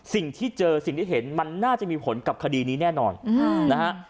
สิ่งที่เจอสิ่งที่เห็นมันน่าจะมีผลกับคดีนี้แน่นอนนะฮะ